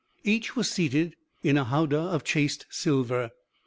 "Each was seated in a howdah of chased silver.